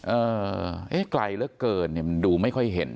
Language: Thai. เอ๊ะไกลเหลือเกินดูไม่ค่อยเห็น